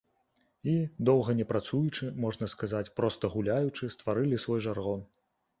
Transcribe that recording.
І, доўга не працуючы, можна сказаць, проста гуляючы, стварылі свой жаргон.